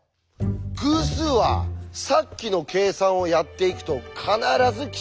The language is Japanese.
偶数はさっきの計算をやっていくと必ず奇数になりますよね。